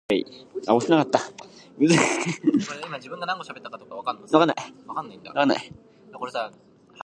These type of gags are also used in sexual fetish or bondage play.